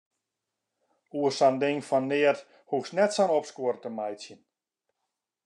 Oer sa'n ding fan neat hoechst net sa'n opskuor te meitsjen.